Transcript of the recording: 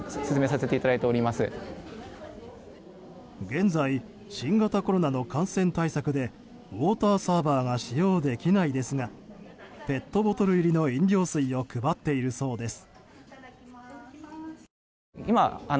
現在、新型コロナの感染対策でウォーターサーバーが使用できないですがペットボトル入りの飲料水を配っているそうです。